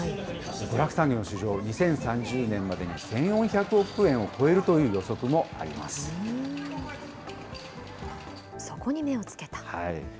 娯楽産業の市場、２０３０年までに１４００億円を超えるという予そこに目を付けた。